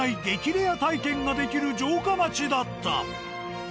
レア体験ができる城下町だった。